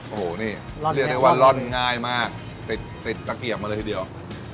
โอ้โหนี่เรียกได้ว่าร่อนง่ายมากติดตะเกียบมาเลยทีเดียว